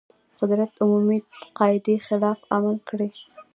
قدرت عمومي قاعدې خلاف عمل کړی.